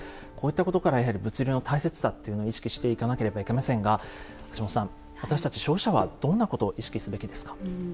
こういったことからやはり物流の大切さっていうのを意識していかなければいけませんが橋本さん私たち消費者はどんなことを意識すべきですか？